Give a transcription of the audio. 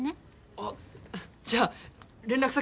あっじゃあ連絡先の交換。